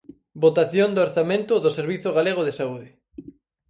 Votación do orzamento do Servizo Galego de Saúde.